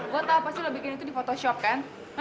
gue tau pasti lu bikin itu di photoshop kan